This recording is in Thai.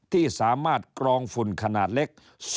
ที่สามารถกรองฝุ่นขนาดเล็ก